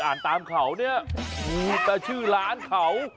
อ่านตามเขาเนี่ยมีแต่ชื่อร้านเขา